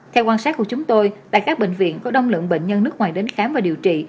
theo quan sát của chúng tôi tại các bệnh viện có đông lượng bệnh nhân nước ngoài đến khám và điều trị